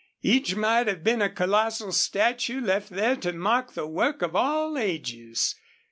Each might have been a colossal statue left there to mark the work of the ages.